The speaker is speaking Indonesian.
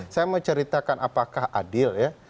saya mau ceritakan apakah adil ya